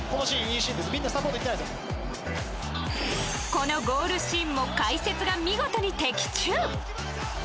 このゴールシーンも解説が見事に的中！